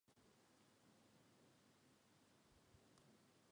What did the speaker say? Мама сказала, каб я не баялася вам сказаць.